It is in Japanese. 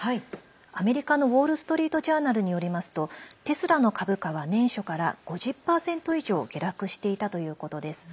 アメリカのウォール・ストリート・ジャーナルによりますとテスラの株価は年初から５０％以上下落していたということです。